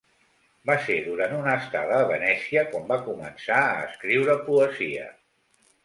Va ser durant una estada a Venècia quan va començar a escriure poesia.